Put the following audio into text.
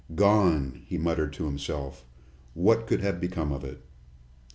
"Gone!" he muttered to himself. "What could have become of it?"